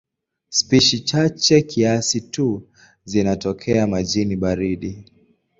Spishi chache kiasi tu zinatokea majini baridi.